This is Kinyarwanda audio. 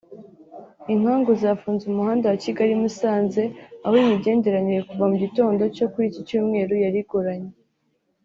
Inkangu zafunze umuhanda wa Kigali-Musanze aho imigenderanire kuva mu gitondo cyo kuri iki Cyumweru yari igoranye